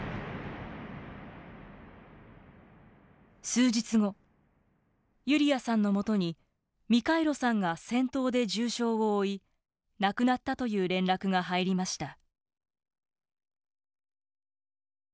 数日後ユリアさんのもとにミカイロさんが戦闘で重傷を負い亡くなったという連絡が入りました。